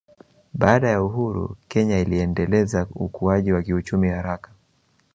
Baada ya uhuru Kenya iliendeleza ukuaji wa kiuchumi haraka